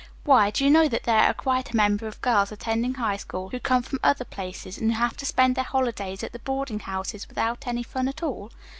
Why, do you know that there are quite a number of girls attending High School who come from other places, and who have to spend the holidays at their boarding houses without any fun at all?